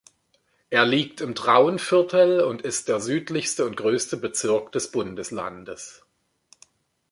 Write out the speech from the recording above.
Er liegt im Traunviertel und ist der südlichste und größte Bezirk des Bundeslandes.